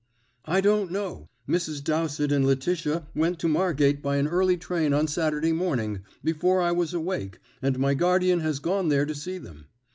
"I don't know. Mrs. Dowsett and Letitia went to Margate by an early train on Saturday morning, before I was awake, and my guardian has gone there to see them.